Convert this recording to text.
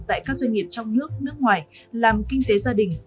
tại các doanh nghiệp trong nước nước ngoài làm kinh tế gia đình